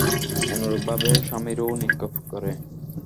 অনুরূপভাবে সামিরীও নিক্ষেপ করে।